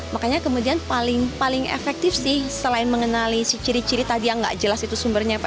makanya kemudian paling efektif sih selain mengenali si ciri ciri tadi yang nggak jelas itu sumbernya